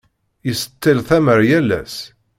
Yettseṭṭil tamar yal ass.